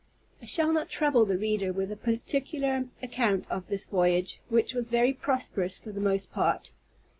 I shall not trouble the reader with a particular account of this voyage, which was very prosperous for the most part.